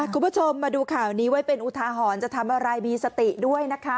คุณผู้ชมมาดูข่าวนี้ไว้เป็นอุทาหรณ์จะทำอะไรมีสติด้วยนะคะ